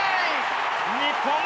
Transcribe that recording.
日本